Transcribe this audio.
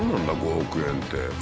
５億円って。